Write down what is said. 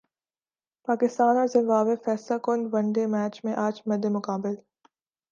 پاکستان اور زمبابوے فیصلہ کن ون ڈے میں اج مدمقابل